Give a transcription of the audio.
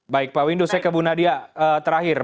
baik pak windu saya ke bu nadia terakhir